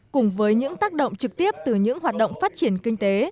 cùng với những tác động trực tiếp từ những hoạt động phát triển kinh tế